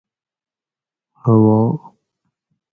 ھوا